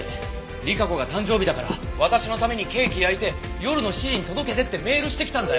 莉華子が誕生日だから私のためにケーキ焼いて夜の７時に届けてってメールしてきたんだよ。